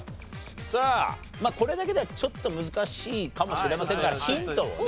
さあこれだけではちょっと難しいかもしれませんからヒントをね